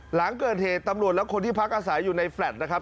หลังเกิดเหตุตำรวจและคนที่พักอาศัยอยู่ในแฟลต์นะครับ